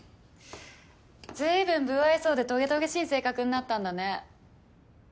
随分無愛想でとげとげしい性格になったんだね。